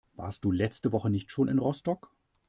Warst du letzte Woche nicht schon in Rostock?